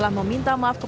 masih meng hapus harganya